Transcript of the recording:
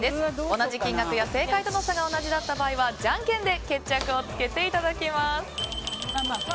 同じ金額や正解との差が同じだった場合はじゃんけんで決着をつけていただきます。